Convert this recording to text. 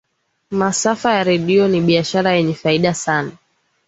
masafa ya redio ni biashara yenye faida sana